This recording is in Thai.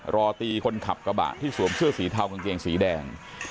รอตีคนขับกระบะที่สวมเสื้อสีเทากางเกงสีแดง